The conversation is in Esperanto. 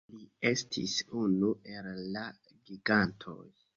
Li estis unu el la gigantoj.